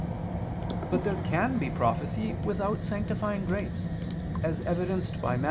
But there can be prophecy without sanctifying grace, as evidenced by Matt.